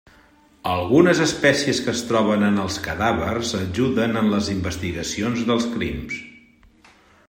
Algunes espècies que es troben en els cadàvers ajuden en les investigacions dels crims.